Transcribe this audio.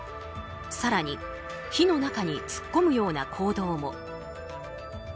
更に火の中に突っ込むような行動も。